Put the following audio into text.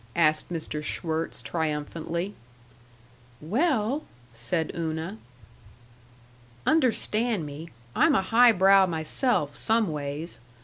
asked Mr. Schwirtz, triumphantly. "Well " said Una. "Understan' me; I'm a high brow myself some ways.